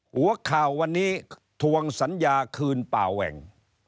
หัวข่าววันนี้ทวงสัญญาคืนป่าแหว่ง